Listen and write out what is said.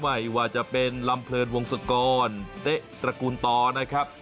ไม่ว่าจะเป็นลำเพลินวงศกรเต๊ะตระกูลต่อนะครับ